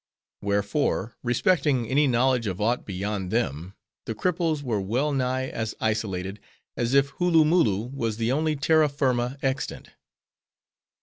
Wherefore, respecting any knowledge of aught beyond them, the cripples were well nigh as isolated, as if Hooloomooloo was the only terra firma extant.